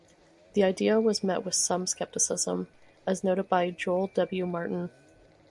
This idea has met with some skepticism, as noted by Joel W. Martin.